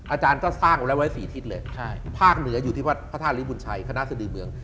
อาจารย์ก็สร้างไว้ไว้๔ทิศเลยภาคเหนืออยู่ที่พระท่านลิฟต์บุญชัยคณะสดิเมือง